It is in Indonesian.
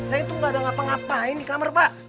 saya tuh gak ada ngapa ngapain di kamar pak